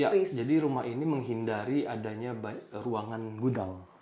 iya jadi rumah ini menghindari adanya ruangan gudang